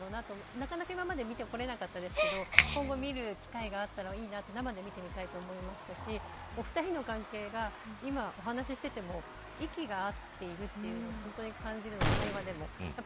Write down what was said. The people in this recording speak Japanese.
なかなか今まで見てこれなかったですけど今後、見る機会があったらいいなと生で見てみたいと思いましたしお二人の関係が今お話ししても息が合っているというのが感じるので会話でも。